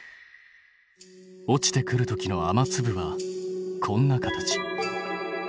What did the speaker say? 落ちてくる時の雨粒はこんな形。